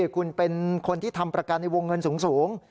คุณเป็นคนที่ทำประกันในวงเงินสูง